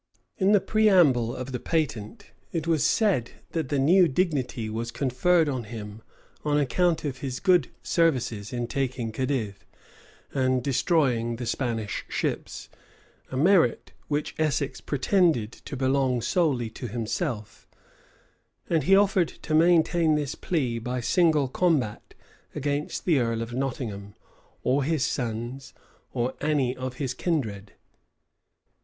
In the preamble of the patent it was said, that the new dignity was conferred on him on account of his good services in taking Cadiz, and destroying the Spanish ships; a merit which Essex pretended to belong solely to himself: and he offered to maintain this plea by single combat against the earl of Nottingham, or his sons, or any of his kindred.